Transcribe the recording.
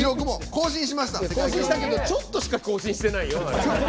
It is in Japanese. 更新したけどちょっとしか更新してないよ。